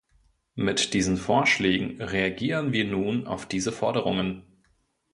Mit diesen Vorschlägen reagieren wir nun auf diese Forderungen.